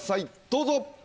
どうぞ。